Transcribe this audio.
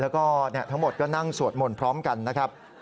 แล้วก็ทั้งหมดก็นั่งสวดมนต์พร้อมกันนะครับ